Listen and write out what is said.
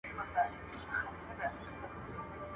o درواغجن دي درواغ وايي، عاقل دې قياس کوي.